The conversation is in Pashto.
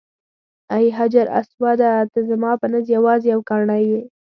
ای حجر اسوده ته زما په نزد یوازې یو کاڼی یې.